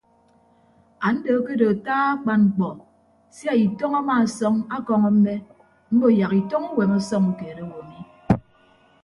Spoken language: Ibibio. Ando akedo ata akpan mkpọ sia itọñ amaasọñ akọñọ mme mbo yak itọñ uwem ọsọñ ukeed owo mi.